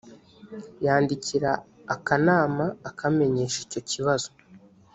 yandikira akanama akamenyesha icyo kibazo